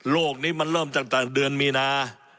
นี้มันเริ่มตั้งแต่เดือนมีนา